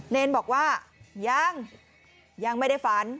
เณรคอร์สบอกว่ายังยังไม่ได้ฝัน